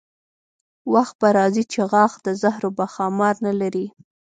وخت به راځي چې غاښ د زهرو به ښامار نه لري.